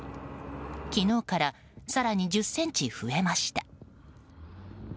昨日から更に１０ｃｍ増えました。